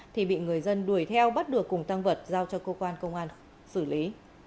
thì bị người dân đuổi theo bắt được cùng tăng vật giao cho cơ quan công an xử lý